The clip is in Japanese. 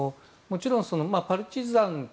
もちろん、パルチザン